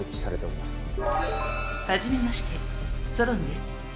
初めましてソロンです。